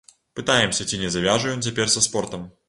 Пытаемся, ці не завяжа ён цяпер са спортам.